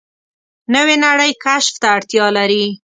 نوې نړۍ کشف ته اړتیا لري